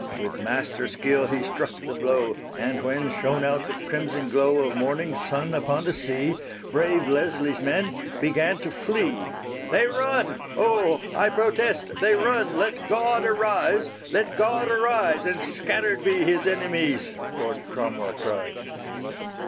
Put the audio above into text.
_" With master skill he struck the blow, And when shone out the crimson glow Of morning sun upon the sea, Brave Leslie's men began to flee. "They run! Oh, I protest they run! Let God arise! Let God arise! And scattered be His enemies!" Loud Cromwell cried.